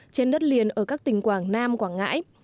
trên đất liền ở các tỉnh quảng nam quảng ngãi